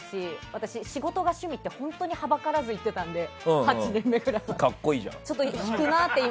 私は仕事が趣味って本当にはばからずに言っていたので格好いいじゃん。